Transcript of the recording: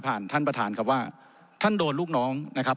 ท่านประธานครับว่าท่านโดนลูกน้องนะครับ